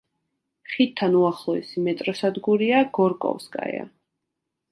ხიდთან უახლოესი მეტროსადგურია „გორკოვსკაია“.